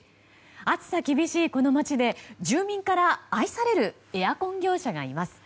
暑さ厳しいこの町で住民から愛されるエアコン業者がいます。